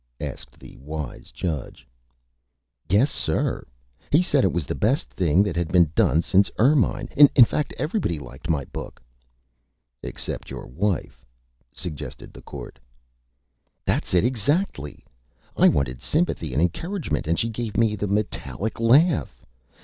asked the Wise Judge. "Yes, sir; he said it was the Best Thing that had been done since 'Erminie.' In fact, everybody liked my Book." "Except your Wife," suggested the Court. "That's it, exactly. I wanted Sympathy and Encouragement and she gave me the Metallic Laugh.